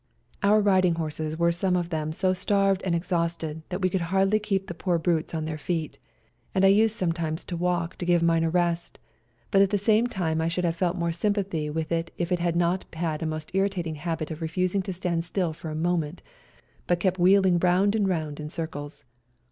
Our riding horses were some of them so starved and exhausted that we could hardly keep the poor brutes on their feet, and I used to sometimes walk to give mine a rest ; but at the same time I should 164 ELBASAN have felt more sympathy with it if it had not had a most irritating habit of refusing to stand still for a moment, but kept wheeling round and round in circles.